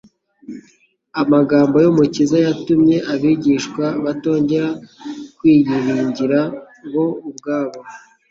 Amagambo y'Umukiza yatumye abigishwa batongera kwiyiringira bo ubwabo.